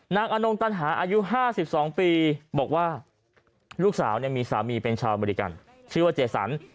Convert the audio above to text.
อนงตันหาอายุ๕๒ปีบอกว่าลูกสาวมีสามีเป็นชาวอเมริกันชื่อว่าเจสัน